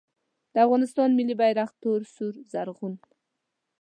د افغانستان ملي بیرغ تور سور زرغون